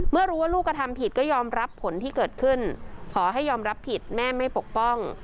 เมื่อรู้ว่าลูกกระทำผิดก็ยอมรับผลที่เกิดขึ้นขอให้ยอมรับผิดแม่ไม่ปกป้อง